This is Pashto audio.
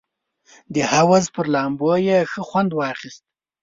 د حوض پر لامبو یې ښه خوند واخیست.